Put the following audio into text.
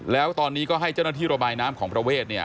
แล้วตอนนี้ก็ให้เจ้าหน้าที่ระบายน้ำของประเวทเนี่ย